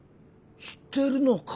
知ってるのか？